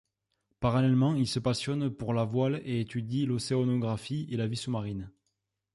Parallèlement il se passionne pour la voile et étudie l'océanographie et la vie sous-marine.